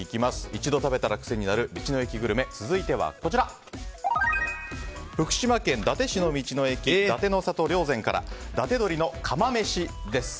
一度食べたら癖になる道の駅グルメ続いては、福島県伊達市の道の駅伊達の郷りょうぜんから伊達鶏の釜飯です。